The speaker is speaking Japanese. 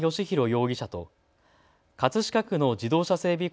容疑者と葛飾区の自動車整備